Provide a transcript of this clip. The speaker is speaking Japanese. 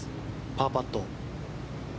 パーパット。